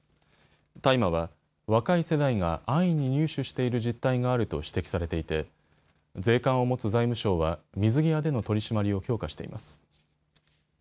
大麻は、若い世代が安易に入手している実態があると指摘されていて税関を持つ財務省は水際での取締りを強化しています。